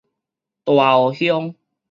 大湖鄉